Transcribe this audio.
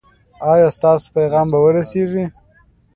ایا ستاسو پیغام به ورسیږي؟